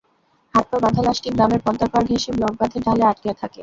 হাত-পা বাঁধা লাশটি গ্রামের পদ্মার পাড় ঘেঁষে ব্লক বাঁধের ঢালে আটকে থাকে।